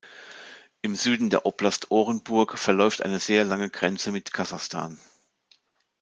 Im Süden der Oblast Orenburg verläuft eine sehr lange Grenze mit Kasachstan.